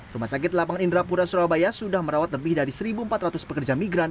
rumah sakit lapangan indrapura surabaya sudah merawat lebih dari satu empat ratus pekerja migran